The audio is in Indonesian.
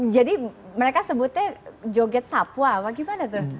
jadi mereka sebutnya joget sapwa apa gimana tuh